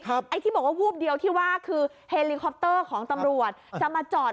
ไอ้ที่บอกว่าวูบเดียวที่ว่าคือเฮลิคอปเตอร์ของตำรวจจะมาจอด